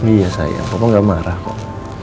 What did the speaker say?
iya sayang bapak gak marah kok